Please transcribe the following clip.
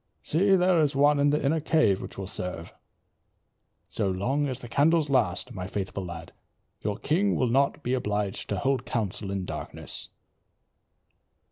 "See, there is one in the inner cave which will serve. So long as the candles last, my faithful lad, your king will not be obliged to hold council in darkness."